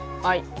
はい！